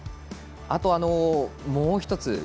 あとはもう１つ